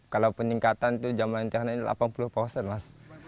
kalau peningkatan itu jambalan internet delapan puluh mas